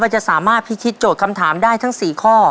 จะสามารถพิธีโจทย์คำถามได้ทั้ง๔ข้อ